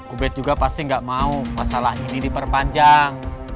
ubed juga pasti nggak mau masalah ini diperpanjang